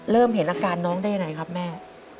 เริ่มเห็นอาการน้องได้ยังไงครับแม่